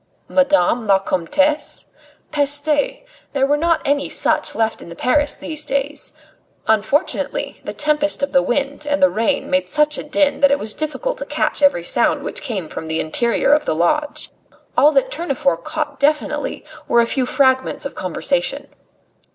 "Madame la Comtesse!" Peste! There were not many such left in Paris these days. Unfortunately, the tempest of the wind and the rain made such a din that it was difficult to catch every sound which came from the interior of the lodge. All that Tournefort caught definitely were a few fragments of conversation.